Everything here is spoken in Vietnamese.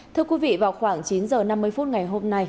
thưa quý vị vào khoảng chín h năm mươi phút ngày hôm nay